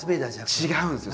違うんですよ。